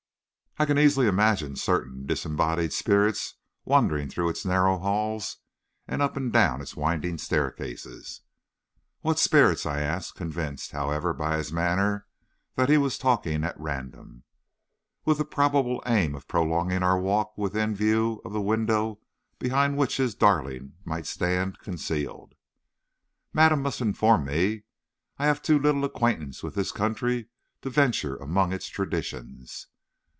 I can easily imagine certain disembodied spirits wandering through its narrow halls and up and down its winding staircases." "What spirits?" I asked, convinced, however, by his manner that he was talking at random, with the probable aim of prolonging our walk within view of the window behind which his darling might stand concealed. "Madame must inform me. I have too little acquaintance with this country to venture among its traditions."